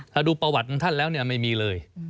ถ้าดูประวัติของท่านแล้วเนี่ยไม่มีเลย